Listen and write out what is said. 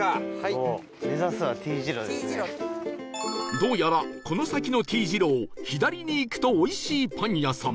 どうやらこの先の Ｔ 字路を左に行くとおいしいパン屋さん